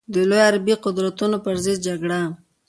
د لویو غربي قدرتونو پر ضد جګړه.